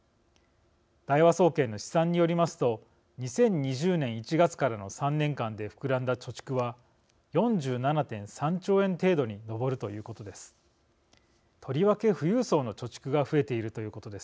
大和総研の試算によりますと２０２０年１月からの３年間で膨らんだ貯蓄は４７．３兆円程度に上るということです。